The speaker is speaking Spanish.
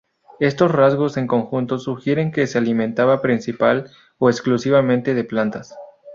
Estos rasgos en conjunto sugieren que se alimentaba principal o exclusivamente de plantas.